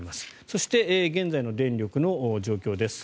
そして、現在の電力の状況です。